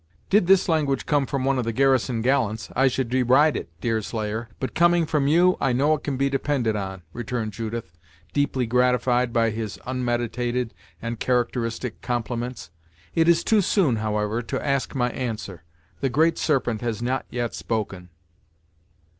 "Did this language come from one of the garrison gallants, I should deride it, Deerslayer, but coming from you, I know it can be depended on," returned Judith, deeply gratified by his unmeditated and characteristic compliments. "It is too soon, however, to ask my answer; the Great Serpent has not yet spoken."